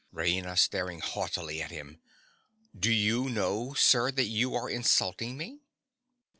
RAINA. (staring haughtily at him). Do you know, sir, that you are insulting me?